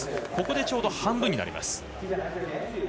ここでちょうど半分になります。